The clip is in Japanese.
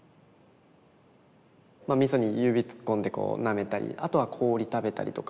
みそに指突っ込んでこうなめたりあとは氷食べたりとか。